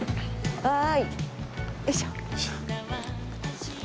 はい。